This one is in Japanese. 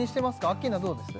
アッキーナどうです？